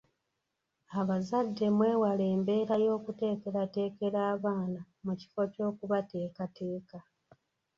Abazadde mwewale embeera y’okuteekerateekera abaana mu kifo ky’okubateekateeka.